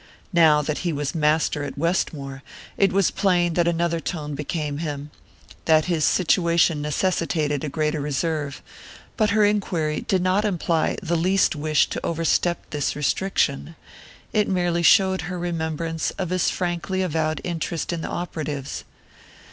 Now that he was master at Westmore it was plain that another tone became him that his situation necessitated a greater reserve; but her enquiry did not imply the least wish to overstep this restriction: it merely showed her remembrance of his frankly avowed interest in the operatives.